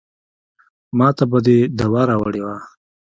ماته به دې دوا راوړې وه.